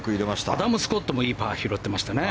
アダム・スコットもいいパーを拾ってましたね。